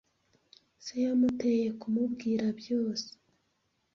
Se yamuteye kumubwira byose.